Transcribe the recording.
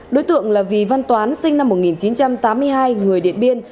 đối tượng là vì văn toán sinh năm một nghìn chín trăm tám mươi hai người điện biên